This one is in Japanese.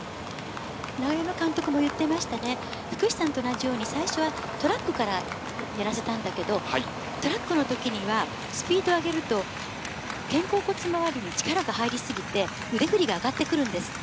永山監督も言ってましたね、福士さんと同じように最初はトラックからやらせたんだけど、トラックの時にはスピードを上げると、肩甲骨周りに力が入りすぎて腕振りが上がってくるんですって。